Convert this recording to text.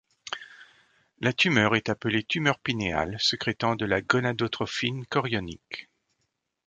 La tumeur est appelée tumeur pinéale sécrétant de la gonadotrophine chorionique.